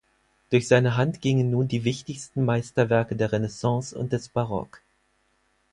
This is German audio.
Durch seine Hand gingen nun die wichtigsten Meisterwerke der Renaissance und des Barock.